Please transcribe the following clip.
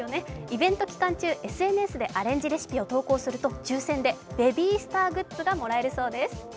イベント期間中ＳＮＳでアレンジレシピを投稿すると抽選でベビースターグッズがもらえるそうです。